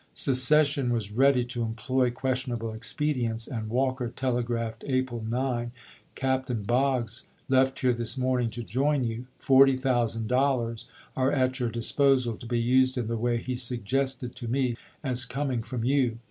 Secession ^prl'^.isGi. c> J '^ W. R. Vol. was ready to employ questionable expedients, and ^■' p ^^'^■ Walker telegraphed April 9, "Captain Boggs left here this morning to join you. Forty thousand dollars are at your disposal, to be used in the way he suggested to me as coming from you.